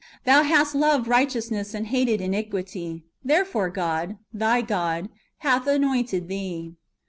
Thou hast loved righteousness, and hated iniquity: therefore God, Thy God, hath anointed Thee."